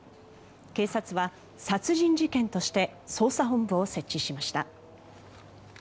警察は殺人事件として捜査本部を設置しました。